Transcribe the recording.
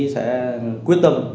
sẽ quyết tâm